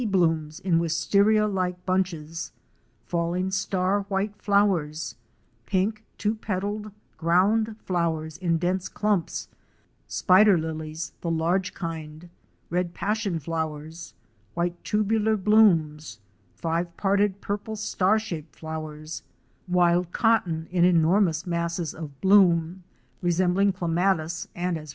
blooms in wisteria like bunches; falling star white flowers; pink two petalled ground flowers in dense clumps; spider lilies, the large kind; red passion flowers; white tubular blooms; five parted purple star shaped flowers; wild cotton, in enormous masses of bloom, resembling clematis and as WATER TRAIL FROM GEORGETOWN TO AREMU.